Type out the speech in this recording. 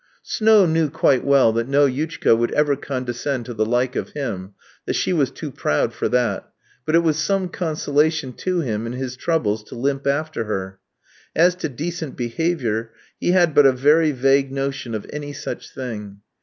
Snow knew quite well that no yutchka would ever condescend to the like of him, that she was too proud for that, but it was some consolation to him in his troubles to limp after her. As to decent behaviour, he had but a very vague notion of any such thing.